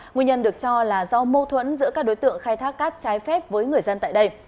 nguyên nhân được cho là do mâu thuẫn giữa các đối tượng khai thác cát trái phép với người dân tại đây